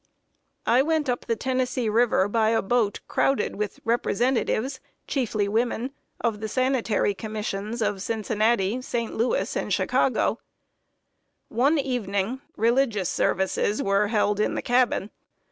I went up the Tennessee River by a boat crowded with representatives chiefly women of the Sanitary Commissions of Cincinnati, St. Louis, and Chicago. [Sidenote: THE REVEREND ROBERT COLYER.] One evening, religious services were held in the cabin.